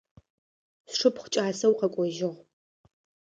Сшыпхъу кӏасэу къэкӏожьыгъ.